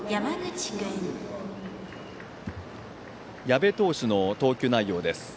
矢部投手の投球内容です。